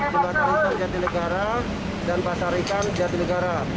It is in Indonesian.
di pasar ika jatilegara dan pasar rikang jatilegara